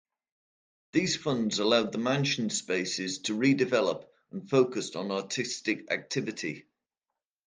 These funds allowed the Mansion spaces to re-develop and focus on artistic activity.